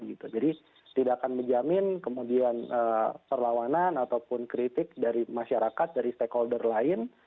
jadi tidak akan menjamin kemudian perlawanan ataupun kritik dari masyarakat dari stakeholder lain